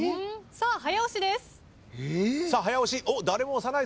さあ早押しです。